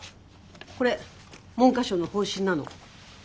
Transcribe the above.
これ文科省の方針なの。